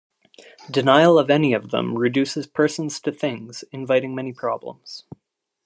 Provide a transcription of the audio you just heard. Denial of any of them reduces persons to things, inviting many problems.